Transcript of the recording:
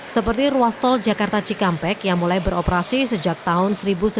seperti ruas tol jakarta cikampek yang mulai beroperasi sejak tahun seribu sembilan ratus sembilan puluh